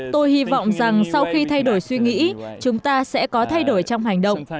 tôi hy vọng rằng sau khi thay đổi suy nghĩ chúng ta sẽ có thay đổi trong hành động